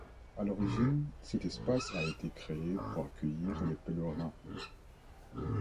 À l'origine cet espace a été créé pour accueillir les pèlerins.